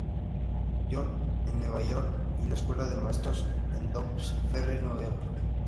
John's en Nueva York y la Escuela de Maestros en Dobbs Ferry, Nueva York.